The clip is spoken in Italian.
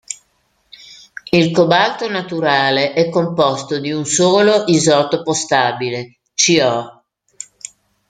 Il cobalto naturale è composto di un solo isotopo stabile, Co.